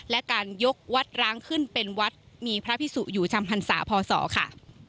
และการยกวัดร้างขึ้นเป็นวัดมีพระพิสุอยู่จำพรรษาพศค่ะ